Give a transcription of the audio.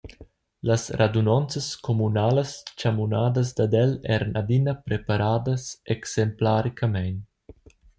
Las radunonzas communalas tgamunadas dad el eran adina preparadas exemplaricamein.